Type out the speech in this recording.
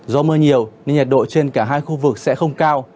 do mưa nhiều nên nhiệt độ trên cả hai khu vực sẽ không cao